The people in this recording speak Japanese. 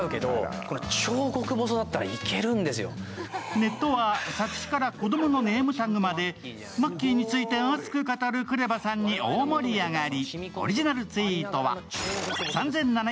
ネットは作詞から子供のネームタグまでマッキーについて熱く語るＫＲＥＶＡさんに大盛り上がり。